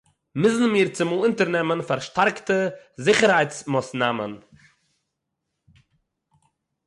מוזן מיר צומאָל אונטערנעמען פאַרשטאַרקטע זיכערהייטס-מאָסנאַמען